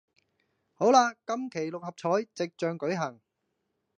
好喇今期六合彩即將舉行